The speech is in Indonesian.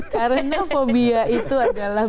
karena fobia itu adalah